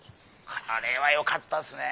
これはよかったですね。